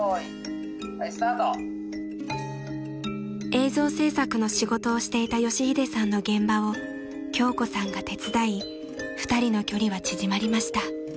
［映像制作の仕事をしていた佳秀さんの現場を京子さんが手伝い２人の距離は縮まりました］